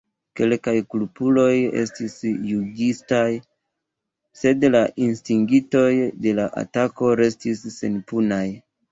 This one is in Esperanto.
Kelkaj kulpuloj estis juĝitaj, sed la instigintoj de la atako restis senpunaj.